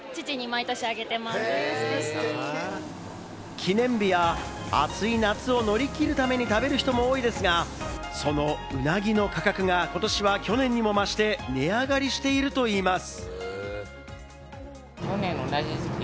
記念日や暑い夏を乗り切るために食べる人も多いですが、そのウナギの価格がことしは去年にも増して値上がりしているといいます。